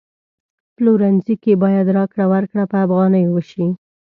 پلورنځي کی باید راکړه ورکړه په افغانیو وشي